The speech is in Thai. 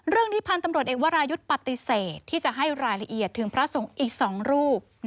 เรื่องนี้พันธุ์ตำรวจเอกวรายุทธ์ปฏิเสธที่จะให้รายละเอียดถึงพระสงฆ์อีก๒รูป